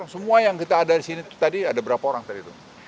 semua yang kita ada disini tadi ada berapa orang tadi